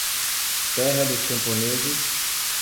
terra dos camponeses